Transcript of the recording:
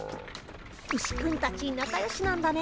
ウシくんたちなかよしなんだね。